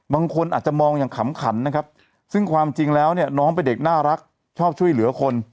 บางคนอาจจะมองอย่างขำขันนะครับซึ่งความจริงแล้วเนี่ยน้องเป็นเด็กน่ารักชอบช่วยเหลือคน